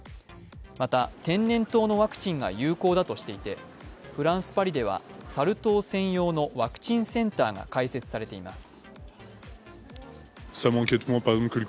また天然痘のワクチンが有効だとしていて、フランス・パリではサル痘専用のワクチンセンターが開設されています。